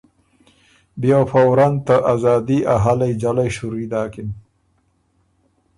بيې وه فوراً ته ازادي ا هلئ ځلئ شُوري داکِن۔